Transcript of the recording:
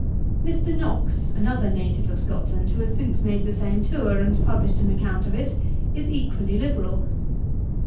Mr. Knox, another native of Scotland, who has since made the same tour, and published an account of it, is equally liberal.